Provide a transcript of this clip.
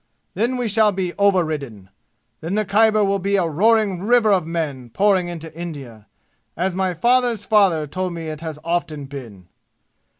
Then we shall be overridden. Then the Khyber will be a roaring river of men pouring into India, as my father's father told me it has often been!